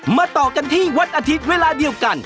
ต่อกันที่วันอาทิตย์เวลาเดียวกัน